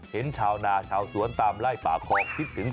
เห็นจ้าวนาติจ้าวสวนตาไม่รจนร่ายบัตรเป้า